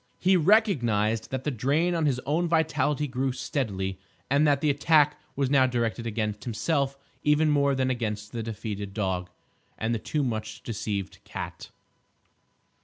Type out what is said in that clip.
He recognised that the drain on his own vitality grew steadily, and that the attack was now directed against himself even more than against the defeated dog, and the too much deceived cat.